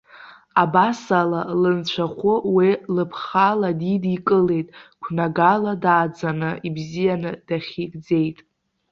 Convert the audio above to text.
Абас ала, лынцәахәы уи лыԥхала дидикылеит. Қәнагала дааӡаны, ибзианы дахьигӡеит.